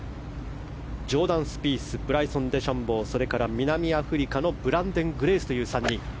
ジョーダン・スピースブライソン・デシャンボーそれから南アフリカのブランデン・グレースの３人。